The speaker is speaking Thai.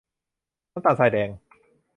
น้ำตาลทรายแดง